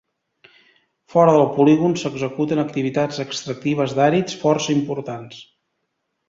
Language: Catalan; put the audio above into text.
Fora del polígon s'executen activitats extractives d'àrids força importants.